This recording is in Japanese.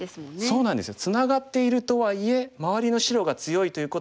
そうなんですよ。